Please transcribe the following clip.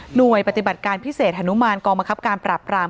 ปฏิบัติการพิเศษฮนุมานกองบังคับการปราบราม